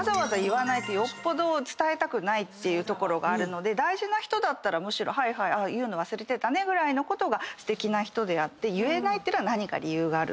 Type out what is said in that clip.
よっぽど伝えたくないっていうところがあるので大事な人だったらむしろ「言うの忘れてたね」ぐらいのことがすてきな人であって言えないっていうのは何か理由がある。